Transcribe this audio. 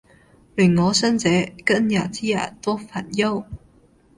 亂我心者，今日之日多煩憂！